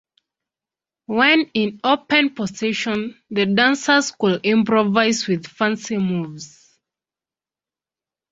When in open position the dancers would improvise with fancy moves.